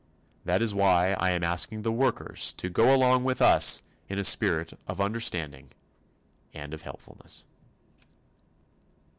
That is why I am asking the workers to go along with us in a spirit of understanding and of helpfulness.